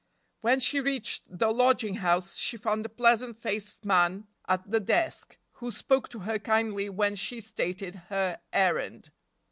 When she reached the lodging house she found a pleasant faced man at the desk, who spoke to her kindly when she stated her errand.